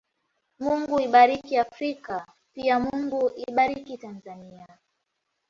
Mungu ibariki Afrika pia Mungu ibariki Tanzania